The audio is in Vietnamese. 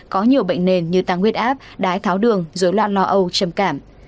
có nhiều bệnh nền như tăng huyết áp đái tháo đường dối loạn lo âu trầm cảm